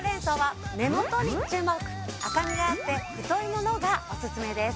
赤みがあって太いものがおすすめです。